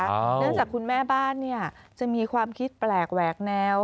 เนื่องจากคุณแม่บ้านเนี่ยจะมีความคิดแปลกแหวกแนว